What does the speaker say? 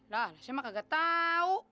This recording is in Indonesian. nah saya mah kagak tahu